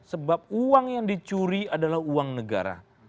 sebab uang yang dicuri adalah uang negara